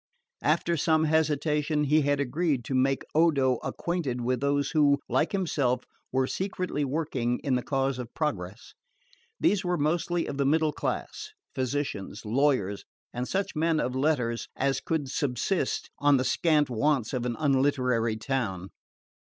After some hesitation, he had agreed to make Odo acquainted with those who, like himself, were secretly working in the cause of progress. These were mostly of the middle class, physicians, lawyers, and such men of letters as could subsist on the scant wants of an unliterary town.